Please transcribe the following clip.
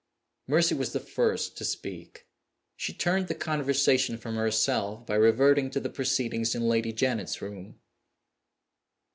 Mercy was the first to speak. She turned the conversation from herself by reverting to the proceedings in Lady Janet's room.